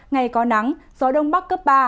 ngày có nắng gió đông bắc cấp ba